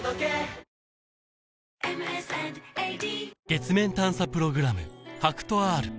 月面探査プログラム